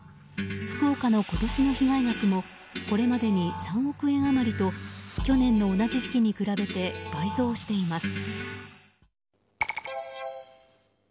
福岡の今年の被害額もこれまでに３億円余りと去年の同じ時期に比べて倍増しています。